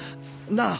なあ？